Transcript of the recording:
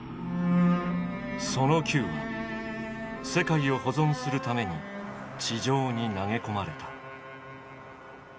その球は「世界を保存」するために地上に投げ込まれた。